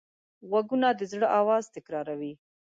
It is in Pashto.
غوږونه د زړه آواز تکراروي